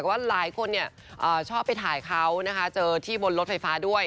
ว่าหลายคนชอบไปถ่ายเขานะคะเจอที่บนรถไฟฟ้าด้วย